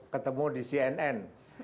ketemu di cnn